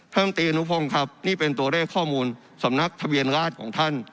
มตีอนุพงศ์ครับนี่เป็นตัวเลขข้อมูลสำนักทะเบียนราชของท่าน